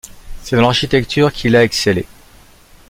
C'est dans l'architecture qu'il a excellé.